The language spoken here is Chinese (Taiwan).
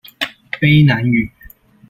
卑南語